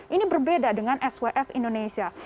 ini berbeda dengan swf indonesia